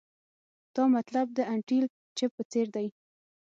تا مطلب د انټیل چپ په څیر دی